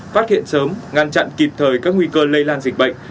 phát hiện sớm ngăn chặn kịp thời các nguy cơ lây lan dịch bệnh